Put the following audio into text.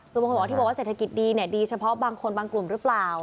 คือบางคนบอกว่าที่บอกว่าเศรษฐกิจดีเนี่ยดีเฉพาะบางคนบางกลุ่มหรือเปล่า